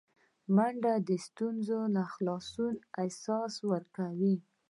منډه د ستونزو نه خلاصون احساس ورکوي